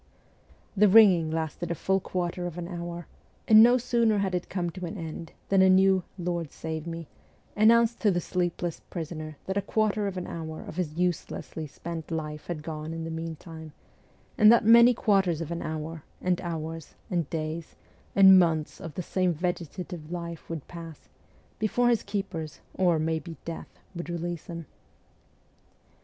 The ringing lasted a full quarter of an hour ; and no sooner had it come to an end than a new ' Lord save me ' announced to the sleepless prisoner that a quarter of an hour of his uselessly spent life had gone in the meantime, and that many quarters of an hour, and hours, and days, and months of the same vegetative life would pass, before his keepers, or, maybe, death, would release him.